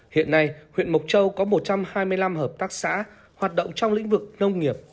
hiện nay huyện mộc châu có một trăm hai mươi năm hợp tác xã hoạt động trong lĩnh vực nông nghiệp